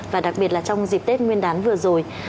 và đặc biệt là trong dịp tết nguyên đán vừa rồi